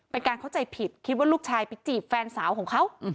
เป็นการเข้าใจผิดคิดว่าลูกชายไปจีบแฟนสาวของเขา